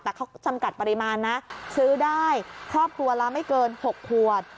แต่เขาจำกัดปริมาณนะซื้อได้ครอบครัวละไม่เกิน๖ขวด